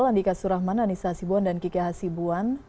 landika surahman anissa sibuan dan kikeha sibuan